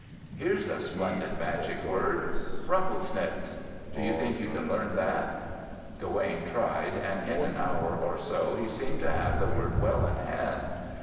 Here's a splendid magic word: 'Rumplesnitz.' Do you think you can learn that?" Gawaine tried and in an hour or so he seemed to have the word well in hand.